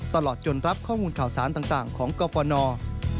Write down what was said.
ตลอดจนรับข้อมูลข่าวสารต่างของกรฟน